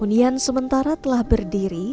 hunian sementara telah berdiri